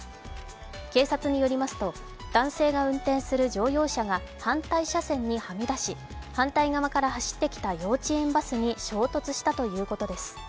警察によりますと男性が運転する乗用車が反対車線にはみ出し反対側から走ってきた幼稚園バスに衝突したということです。